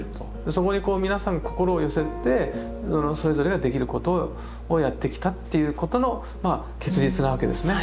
そこにこう皆さんが心を寄せてそれぞれができることをやってきたっていうことのまあ結実なわけですね。